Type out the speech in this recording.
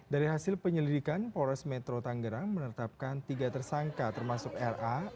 dari hasil penyelidikan polres metro tanggerang menetapkan tiga tersangka termasuk ra